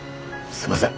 すいません。